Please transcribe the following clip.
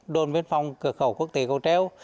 đồn biên phòng cửa khẩu quốc tế câu treo